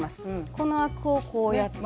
このアクをこうやって。